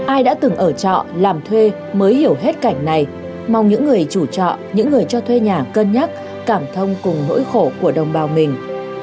ai đã từng ở trọ làm thuê mới hiểu hết cảnh này mong những người chủ trọ những người cho thuê nhà cân nhắc cảm thông cùng nỗi khổ của đồng bào mình